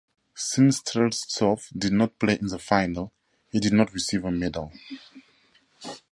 Since Streltsov did not play in the final, he did not receive a medal.